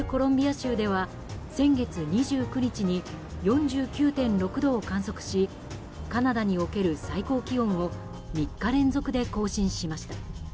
州では先月２９日に４９．６度を観測しカナダにおける最高気温を３日連続で更新しました。